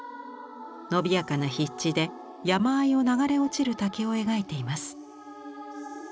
伸びやかな筆致で山あいを流れ落ちる滝を描いています。